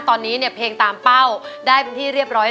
ตอนนี้เนี่ยเพลงตามเป้าได้เป็นที่เรียบร้อย